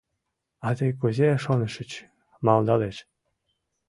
— А тый кузе шонышыч! — малдалеш.